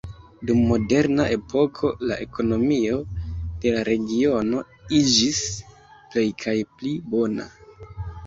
Dum Moderna epoko la ekonomio de la regiono iĝis pli kaj pli bona.